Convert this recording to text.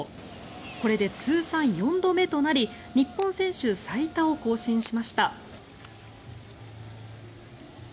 これで通算４度目となり日本選手最多を更新しました。